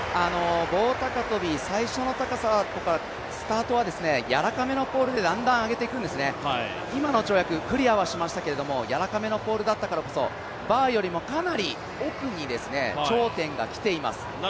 棒高跳、最初の高さはやわらかめのポールでだんだん上げていくんですね、今の跳躍、やわらかめのポールだったからこそバーよりも奥に頂点がきています。